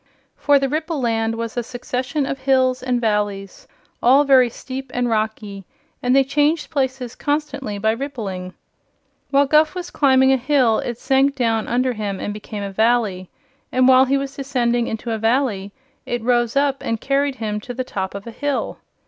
For the Ripple Land was a succession of hills and valleys, all very steep and rocky, and they changed places constantly by rippling. While Guph was climbing a hill it sank down under him and became a valley, and while he was descending into a valley it rose up and carried him to the top of a hill.